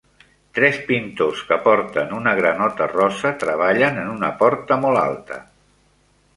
Tres pintors que porten una granota rosa treballen en una porta molt alta.